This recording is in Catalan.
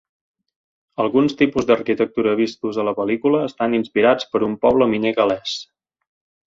Alguns tipus d'arquitectura vistos a la pel·lícula estan inspirats per un poble miner gal·lès.